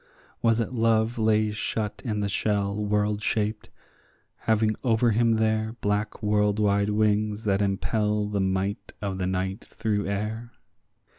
Was it Love lay shut in the shell world shaped, having over him there Black world wide wings that impel the might of the night through air?